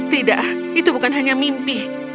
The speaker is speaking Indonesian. tidak itu bukan hanya mimpi